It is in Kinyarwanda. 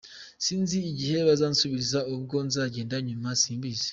Sinzi igihe bazansubiriza ubwo nzagenda nyuma simbizi.